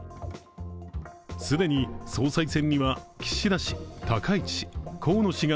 既に総裁選には岸田氏、高市氏、河野氏が